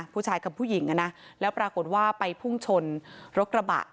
ผู้ชายกับผู้หญิงนะแล้วปรากฏว่าไปพุ่งชนรถกระบะ